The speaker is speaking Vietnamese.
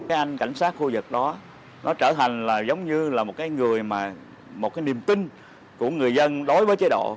cái anh cảnh sát khu vực đó nó trở thành là giống như là một cái người mà một cái niềm tin của người dân đối với chế độ